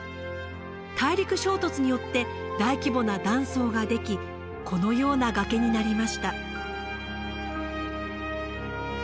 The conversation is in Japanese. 大陸衝突によって大規模な断層ができこのような崖になりました。